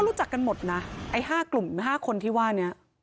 รู้จักกันหมดนะไอ้๕กลุ่ม๕คนที่ว่านี้